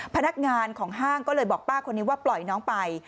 พนักงานของห้างก็เลยบอกป้าคนนี้ว่าปล่อยน้องไป